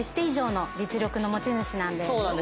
の実力の持ち主なんです